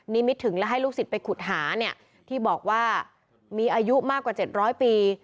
มิตถึงและให้ลูกศิษย์ไปขุดหาเนี่ยที่บอกว่ามีอายุมากกว่า๗๐๐ปี